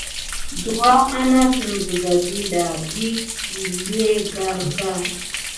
Douwa anasime siga ɗida vi kilué karka.